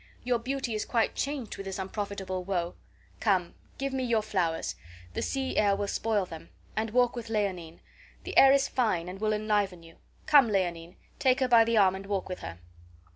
Your beauty is quite changed with this unprofitable woe. Come, give me your flowers the sea air will spoil them and walk with Leonine; the air is fine, and will enliven you. Come, Leonine, take her by the arm and walk with her."